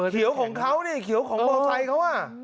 เขียวของเขานี่เขียวของมอเตอร์ไซค์เขา